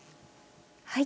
はい。